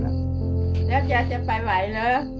แล้วแกจะไปไหวเหรอ